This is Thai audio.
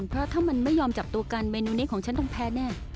เพราะถ้ามันไม่ยอมจับตัวกันเมนูนี้ของฉันต้องแพ้แน่